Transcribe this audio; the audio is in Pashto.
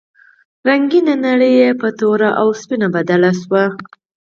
رنګینه نړۍ په توره او سپینه بدله شوه.